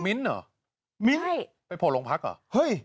มิ้นท์เหรอมิ้นท์ไปโผล่โรงพักเหรอเฮ้ย